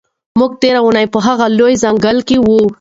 موږ تېره اونۍ په هغه لوی ځنګل کې وو.